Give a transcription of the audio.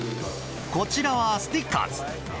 こちらはスティッカーズ。